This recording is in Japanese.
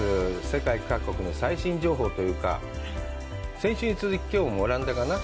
世界各国の最新情報というか、先週に続き、きょうもオランダかな。